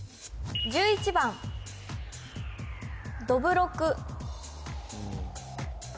１１番どぶろく